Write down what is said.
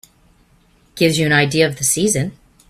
Gives you an idea of the season.